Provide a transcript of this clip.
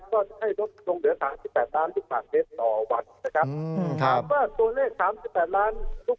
ก็จะให้ลดลงเหลือ๓๘ล้านลูกหวัดเม็ดต่อวันนะครับ